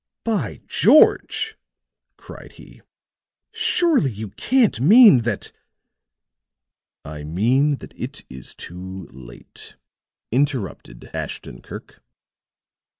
"By George!" cried he. "Surely you can't mean that " "I mean that it is too late," interrupted Ashton Kirk.